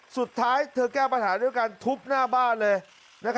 สุดท้ายเธอแก้ปัญหาด้วยการทุบหน้าบ้านเลย